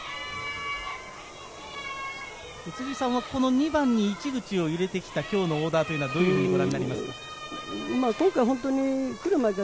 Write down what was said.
２番に市口を入れてきた今日のオーダーはどういうふうにご覧になりますか。